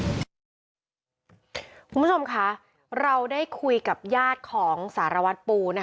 คุณผู้ชมคะเราได้คุยกับญาติของสารวัตรปู